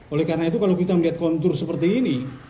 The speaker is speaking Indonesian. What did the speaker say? oleh karena itu kalau kita melihat kontur seperti ini